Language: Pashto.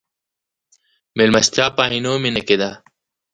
مېلمستیا په عینومېنه کې ده.